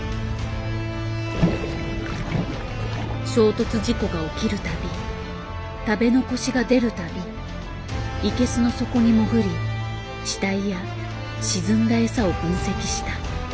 衝突事故が起きる度食べ残しが出る度イケスの底に潜り死体や沈んだ餌を分析した。